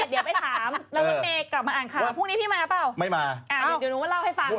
เดี๋ยวหนูมาเล่าให้ฟัง